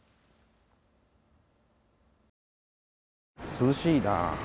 涼しいなあ。